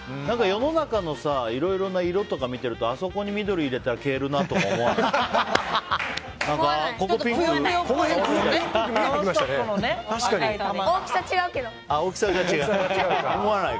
世の中のいろいろ見てたらあそこに緑入れたら消えるなとか思わない？